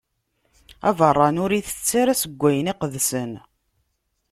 Abeṛṛani ur itett ara seg wayen iqedsen.